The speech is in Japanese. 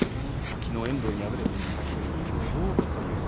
きのう遠藤に敗れている御嶽海きょうはどうか。